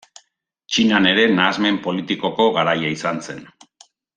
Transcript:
Txinan ere nahasmen politikoko garaia izan zen.